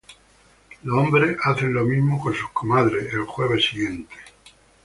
Los hombres hacen lo mismo con sus comadres el jueves siguiente.